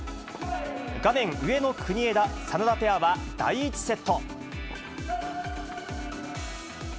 画面上の国枝・眞田ペアは第１セット。